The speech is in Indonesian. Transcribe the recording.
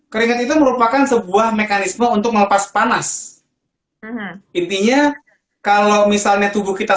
keringat itu merupakan sebuah mekanisme untuk melepas panas intinya kalau misalnya tubuh kita